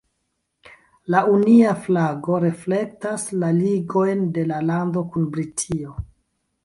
La Unia flago reflektas la ligojn de la lando kun Britio.